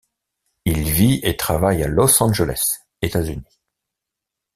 Il vit et travaille à Los Angeles, États-Unis.